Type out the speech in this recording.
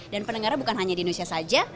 pendengarnya bukan hanya di indonesia saja